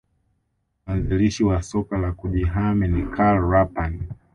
Mwanzilishi wa soka la kujihami ni Karl Rapan